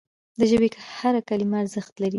د ژبي هره کلمه ارزښت لري.